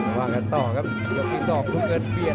ต่อกันนะครับยกที่๒คือเงินเปลี่ยน